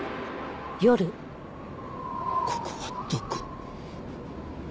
ここはどこ？